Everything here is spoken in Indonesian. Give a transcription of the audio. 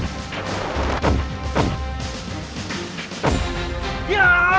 aku tidak ingin memiliki ibu iblis seperti mu